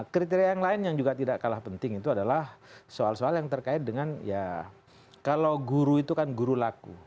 kriteria yang lain yang juga tidak kalah penting itu adalah soal soal yang terkait dengan ya kalau guru itu kan guru laku